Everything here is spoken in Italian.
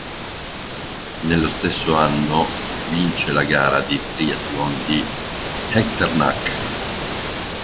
Nello stesso anno vince la gara di triathlon di Echternach.